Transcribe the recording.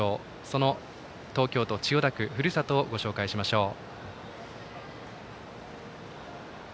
その東京都千代田区ふるさとをご紹介しましょう。